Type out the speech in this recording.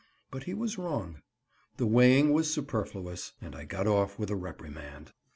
But he was wrong; the weighing was superfluous, and I got off with a reprimand.